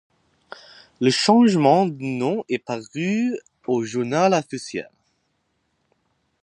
Le changement de nom est paru au journal officiel.